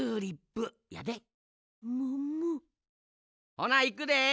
ほないくで。